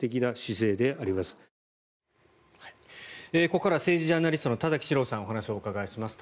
ここから政治ジャーナリストの田崎史郎さんにお話を伺いします。